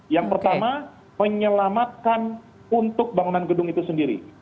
yang pertama menyelamatkan untuk bangunan gedung itu sendiri